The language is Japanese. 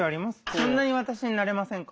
そんなに私に慣れませんか？